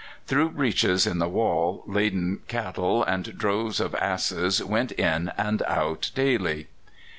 Through breaches in the wall laden cattle and droves of asses went in and out daily.